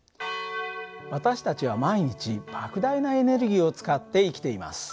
私たちは毎日ばく大なエネルギーを使って生きています。